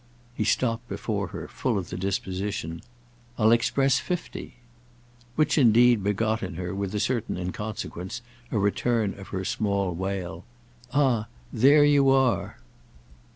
He stopped before her, full of the disposition. "I'll express fifty." Which indeed begot in her, with a certain inconsequence, a return of her small wail. "Ah there you are!"